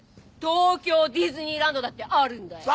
東京ディズニーランドだってあるんだよ。